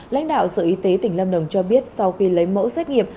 lãnh đạo sở y tế tỉnh lâm đồng cho biết sau khi lấy mẫu xét nghiệm